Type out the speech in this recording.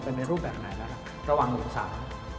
เป็นรูปแบบไหนแล้วระหว่างหนุ่มสาว